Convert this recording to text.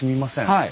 はい。